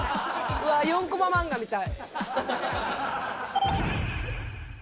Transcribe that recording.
うわぁ、４コマ漫画みたい。